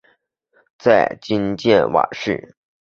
在今建瓯市。